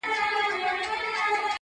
د هر چا په زړه کي اوسم بېګانه یم-